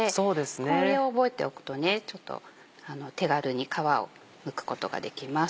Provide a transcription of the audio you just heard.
これを覚えておくと手軽に皮をむくことができます。